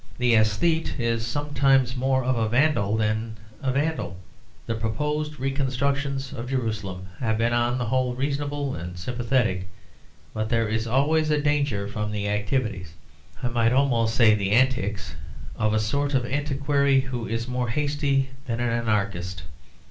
The aesthete is sometimes more of a vandal than the vandal. The proposed reconstructions of Jerusalem have been on the whole reasonable and sympathetic; but there is always a danger from the activities, I might almost say the antics, of a sort of antiquary who is more hasty than an anarchist.